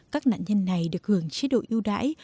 các nạn nhân này được hưởng chế độ yêu đải